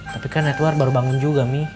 tapi kan edward baru bangun juga mi